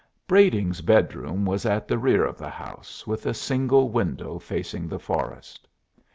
Brading's bedroom was at the rear of the house, with a single window facing the forest.